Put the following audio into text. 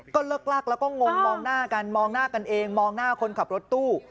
ก็เลิกลักแล้วก็งงมองหน้ากันมองหน้ากันเองมองหน้าคนขับรถตู้